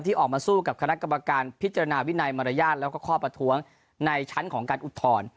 ออกมาสู้กับคณะกรรมการพิจารณาวินัยมารยาทแล้วก็ข้อประท้วงในชั้นของการอุทธรณ์